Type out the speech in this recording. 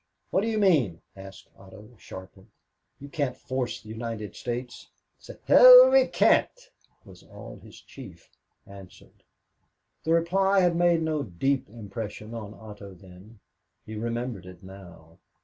"What do you mean?" asked Otto, sharply. "You can't force the United States." "The hell we can't," was all his chief answered. The reply had made no deep impression on Otto then. He remembered it now.